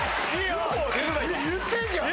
言ってるじゃん！